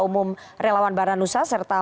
umum relawan baranusa serta